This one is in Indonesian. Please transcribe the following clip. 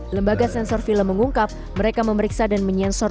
lembaga sensor film mengungkap mereka memeriksa dan menyensor